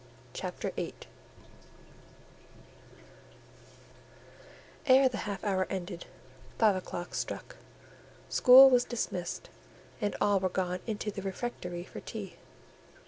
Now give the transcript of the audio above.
CHAPTER VIII Ere the half hour ended, five o'clock struck; school was dismissed, and all were gone into the refectory to tea.